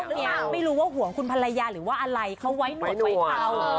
ักทั่วเนี้ยไม่รู้ว่าห่วงคุณภรรยาหรือว่าอะไรเขาไว้หน่วยเผา